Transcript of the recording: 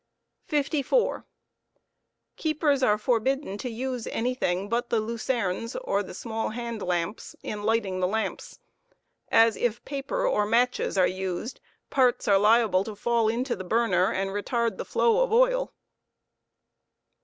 Lucernes 54, Keepers are forbidden to use anything but the lucernes, or the small band lamps, in lighting the lamps, as if paper or matches* are used, parts are liable to fall into the burner and retard the flow of oil.